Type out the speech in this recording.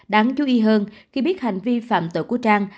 đáng chú ý hơn khi biết hành vi phạm tội của trang